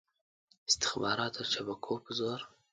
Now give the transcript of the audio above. استخباراتو د شبکو په زور.